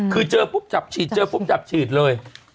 คือเจอปุ๊บจับฉีดเจอปุ๊บจับฉีดเลย